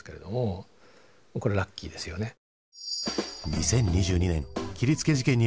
２０２２年切りつけ事件に遭い